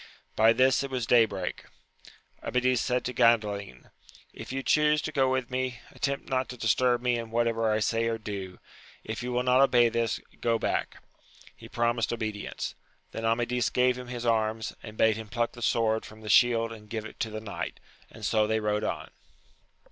By this it was day break : Amadis said to Gandalin, if you chuse to go with me, attempt not to disturb me in whatever I say or do : if you will not obey this, go back. He promised obedience. Then Amadis gave him his AMADIS OF GAUL. 273 aims, and bade him pluck the sword from the shield and give it the knight, and so they rode on.